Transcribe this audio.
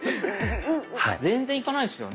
全然いかないですよね？